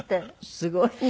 すごいね。